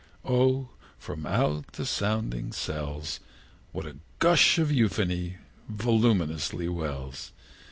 Oh, from out the sounding cells, What a gush of euphony voluminously wells!